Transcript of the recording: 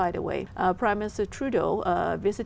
trong thế giới